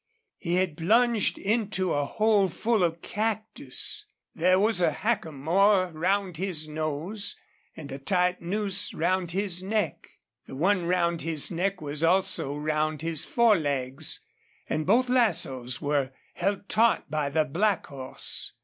He had plunged into a hole full of cactus. There was a hackamore round his nose and a tight noose round his neck. The one round his neck was also round his forelegs. And both lassoes were held taut by the black horse.